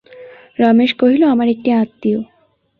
রমেশ কহিল, আমার একটি আত্মীয়।